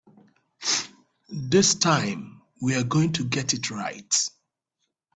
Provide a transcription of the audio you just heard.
This time we're going to get it right.